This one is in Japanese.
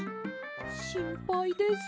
しんぱいです。